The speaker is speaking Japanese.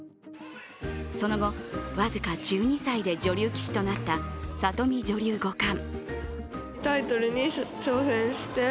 その後、僅か１２歳で女流棋士となった、里見女流五冠。